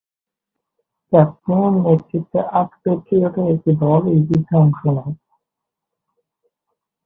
ক্যাপ্টেনের নেতৃত্বে আট প্যাট্রিয়টের একটি দল এই যুদ্ধে অংশ নেয়।